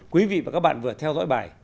quý vị và các bạn vừa theo dõi bài